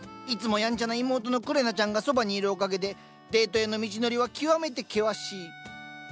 いつもやんちゃな妹のくれなちゃんがそばにいるおかげでデートへの道のりは極めて険しい。